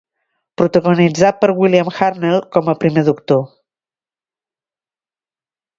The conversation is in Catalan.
Protagonitzat per William Hartnell com a Primer doctor.